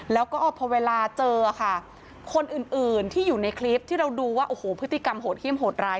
แล้วก็พอเวลาเจอค่ะคนอื่นที่อยู่ในคลิปที่เราดูว่าโอ้โหพฤติกรรมโหดเยี่ยมโหดร้าย